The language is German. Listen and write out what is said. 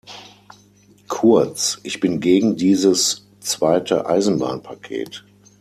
Kurz, ich bin gegen dieses zweite Eisenbahnpaket.